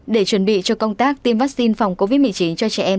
để chuẩn bị cho công tác tiêm vaccine phòng covid một mươi chín cho trẻ em